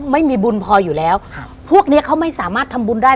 ไม่มีบุญพออยู่แล้วครับพวกเนี้ยเขาไม่สามารถทำบุญได้